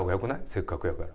せっかくやから。